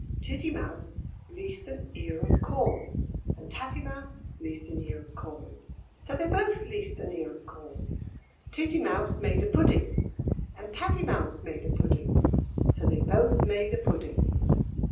Titty Mouse leased an ear of corn, and Tatty Mouse leased an ear of corn, So they both leased an ear of corn. Titty Mouse made a pudding, and Tatty Mouse made a pudding, So they both made a pudding.